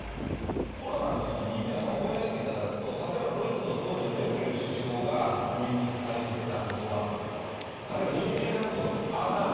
コロナの時に皆さん思い出して頂くと例えばドイツの当時のメルケル首相が国民に語りかけた言葉とかあるいはニュージーランドのアーダーン首相。